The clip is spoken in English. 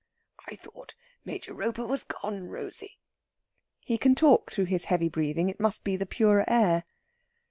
"I thought Major Roper was gone, Rosey." He can talk through his heavy breathing. It must be the purer air.